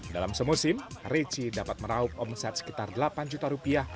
dalam semusim rici dapat meraup omset sekitar delapan juta rupiah